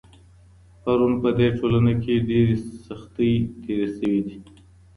پرون په دې ټولنه کي ډېرې سختۍ تېري سوي دي.